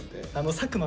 佐久間。